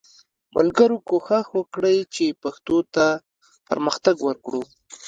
ملګرو کوښښ وکړئ چې پښتو ته پرمختګ ورکړو